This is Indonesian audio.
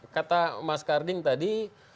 kata mas karding tadi